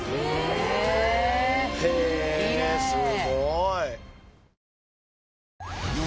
へえすごい。